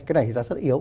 cái này thì ta rất yếu